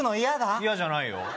嫌じゃないよ